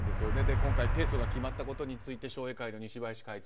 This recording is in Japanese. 今回提訴が決まったことについて商栄会の西林会長。